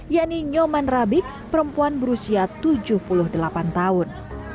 yakni nyoman rabik perempuan berusia tujuh puluh delapan tahun